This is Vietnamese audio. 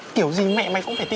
kiểu gì mẹ mày cũng phải tin thôi